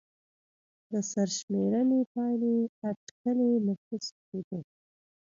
د سرشمېرنې پایلې اټکلي نفوس ښوده.